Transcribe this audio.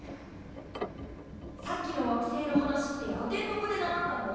さっきの惑星の話ってアテンド科で習ったの？